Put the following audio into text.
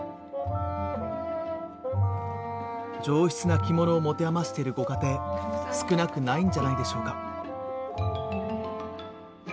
上質な着物を持て余しているご家庭少なくないんじゃないでしょうか？